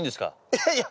いやいや。